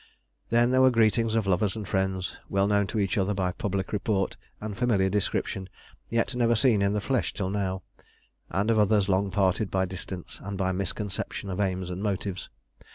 Then there were greetings of lovers and friends, well known to each other by public report and familiar description, yet never seen in the flesh till now, and of others long parted by distance and by misconception of aims and motives.